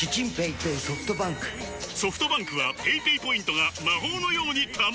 ソフトバンクはペイペイポイントが魔法のように貯まる！